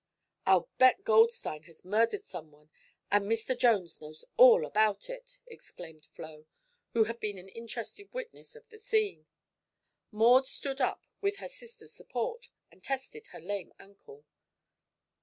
"I'll bet Goldstein has murdered someone, and Mr. Jones knows all about it!" exclaimed Flo, who had been an interested witness of the scene. Maud stood up, with her sister's support, and tested her lame ankle.